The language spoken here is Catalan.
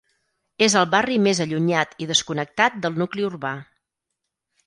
És el barri més allunyat i desconnectat del nucli urbà.